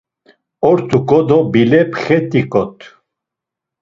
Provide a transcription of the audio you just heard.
Ort̆uǩo do bile pxet̆iǩot.